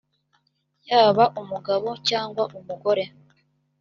yaba umugabo cyangwa umugore